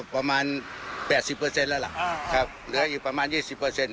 ประมาณแปดสิบเปอร์เซ็นต์แล้วล่ะครับเหลืออีกประมาณยี่สิบเปอร์เซ็นต์